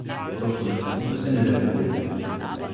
Doch dies ist nicht das Ende der Probleme.